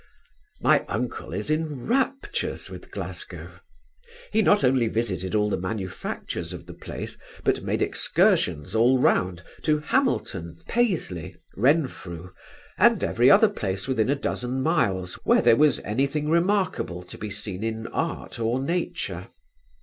My uncle is in raptures with Glasgow He not only visited all the manufactures of the place, but made excursions all round to Hamilton, Paisley, Renfrew, and every other place within a dozen miles, where there was any thing remarkable to be seen in art or nature.